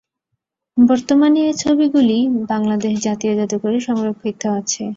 বর্তমানে এ ছবিগুলি বাংলাদেশ জাতীয় জাদুঘরে সংরক্ষিত আছে।